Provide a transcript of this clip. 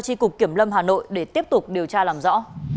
tri cục kiểm lâm hà nội để tiếp tục điều tra làm rõ